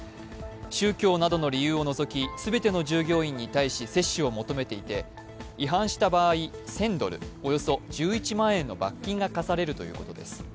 宗教などの理由を除き、全ての従業員に対し接種を求めていて違反した場合、１０００ドル、およそ１１万円の罰金が課されるということです。